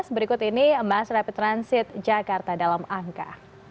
berikut ini mass rapid transit jakarta dalam angka